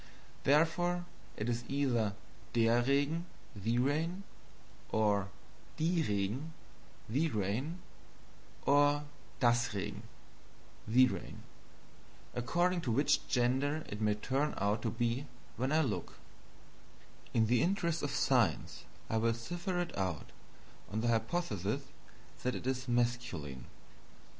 Therefore, it is either DER (the) Regen, or DIE (the) Regen, or DAS (the) Regen, according to which gender it may turn out to be when I look. In the interest of science, I will cipher it out on the hypothesis that it is masculine.